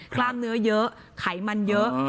คร่าบเนื้อยเยอะไขมันเยอะ